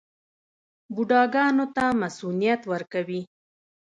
بوډاګانو ته مصوونیت ورکوي.